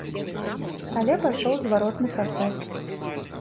Але пайшоў зваротны працэс.